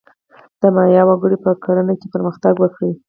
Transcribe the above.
د مایا وګړو په کرنه کې پرمختګ وکړ.